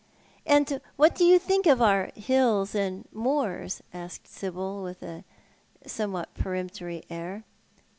"And what do you think of our hills and moors?" asked Sibyl, with a somewhat peremptory air.